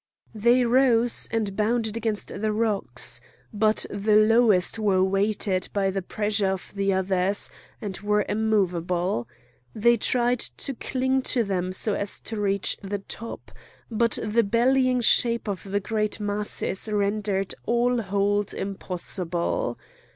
They rose, and bounded against the rocks. But the lowest were weighted by the pressure of the others, and were immovable. They tried to cling to them so as to reach the top, but the bellying shape of the great masses rendered all hold impossible.